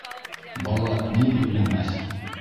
Бала ни һөйләмәҫ?